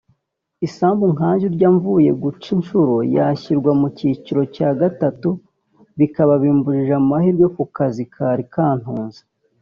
isambu nkanjye urya mvuye guca inshuro yashyirwa mu cyiciro cya gatatu bikaba bimbujije amahirwe ku kazi kari kantunze